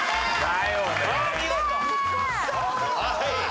はい。